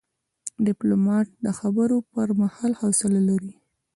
ډيپلومات د خبرو پر مهال حوصله لري.